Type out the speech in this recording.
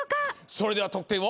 それでは得点を。